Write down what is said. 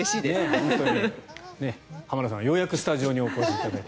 本当に浜田さんが、ようやくスタジオにお越しいただいて。